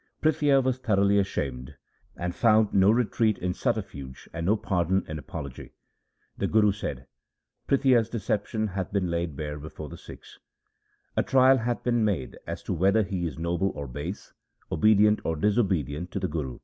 Prithia was thoroughly ashamed, and found no retreat in subterfuge and no pardon in apology. The Guru said :' Prithia's deception hath been laid bare before the Sikhs. A trial hath been made as to whether he is noble or base, obedient or disobedient to the Guru.'